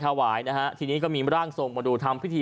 ถวายนะฮะทีนี้ก็มีร่างทรงมาดูทำพิธี